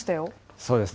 そうですね。